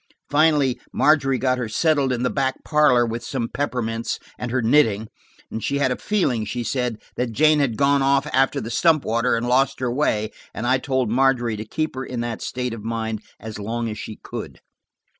Finally, Margery got her settled in the back parlor with some peppermints and her knitting; she had a feeling, she said, that Jane had gone after the stump water and lost her way, and I told Margery to keep her in that state of mind as long as she could.